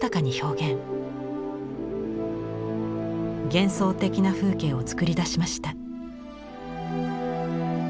幻想的な風景を作り出しました。